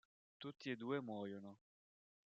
Tutti e due muoiono.